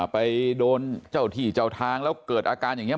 ไปโดนเจ้าที่เจ้าทางแล้วเกิดอาการอย่างนี้